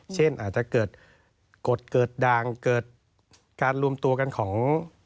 เช่นอาจจะเกิดกฎเกิดด่างเกิดการรวมตัวกันของ